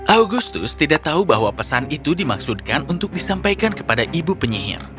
augustus tidak tahu bahwa pesan itu dimaksudkan untuk disampaikan kepada ibu penyihir